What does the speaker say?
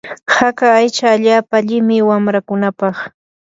haka aycha allaapa allimi wanrakunapaq.